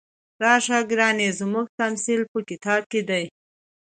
راشه ګرانې زموږ تمثیل په کتاب کې دی.